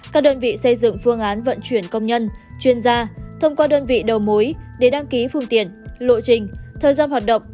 các đơn vị xây dựng phương án vận chuyển công nhân chuyên gia thông qua đơn vị đầu mối để đăng ký phương tiện lộ trình thời gian hoạt động